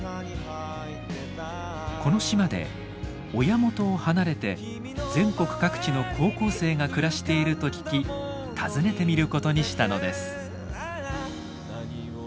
この島で親元を離れて全国各地の高校生が暮らしていると聞き訪ねてみることにしたのです。